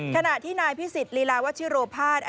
ขณะที่นายพิสิทธิลีลาวัชิโรภาส